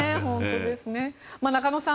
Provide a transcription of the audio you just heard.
中野さん